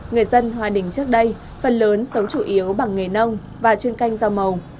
người dân hòa đình trước đây phần lớn sống chủ yếu bằng nghề nông và chuyên canh rau màu